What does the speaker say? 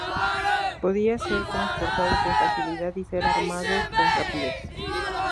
Podía ser transportado con facilidad y ser armado con rapidez.